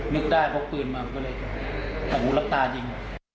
นึกได้พบปืนมาก็เลยผมรับตาจริง